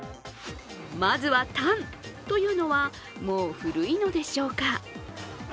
まずはタンというのは、もう古いのでしょうか。